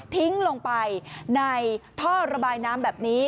ทิ้งลงไปในท่อระบายน้ำแบบนี้